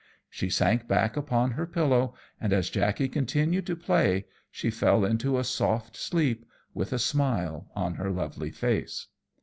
She sank back upon her pillow, and as Jackey continued to play, she fell into a soft sleep, with a smile on her lovely face.